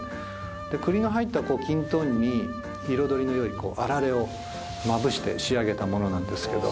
栗の入ったきんとんに彩りのよいあられをまぶして仕上げたものなんですけど。